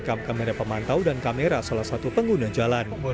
di gerbang tol halim utama ada pemantau dan kamera salah satu pengguna jalan